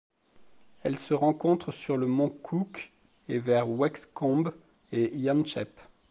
Elle se rencontre sur le mont Cooke et vers Wexcombe et Yanchep.